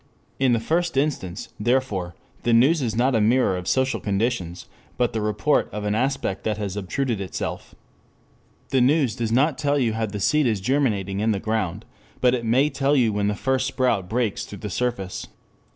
In the first instance, therefore, the news is not a mirror of social conditions, but the report of an aspect that has obtruded itself. The news does not tell you how the seed is germinating in the ground, but it may tell you when the first sprout breaks through the surface.